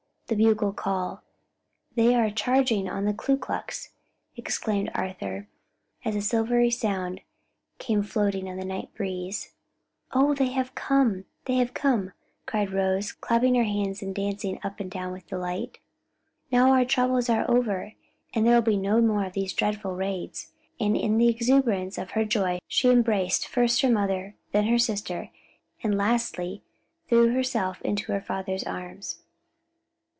the bugle call; they are charging on the Ku Klux!" exclaimed Arthur, as a silvery sound came floating on the night breeze. "Oh they have come! they have come!" cried Rosie, clapping her hands and dancing up and down with delight. "Now our troubles are over and there will be no more of these dreadful raids." And in the exuberance of her joy she embraced first her mother, then her sister, and lastly threw herself into her father's arms.